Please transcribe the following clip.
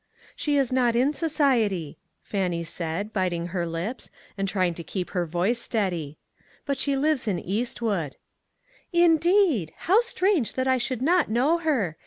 "She is not in society," Fannie said, biting her lips, and trying to keep her voice steady, "but she lives in Eastwood." " Indeed ! How strange that I should not know her.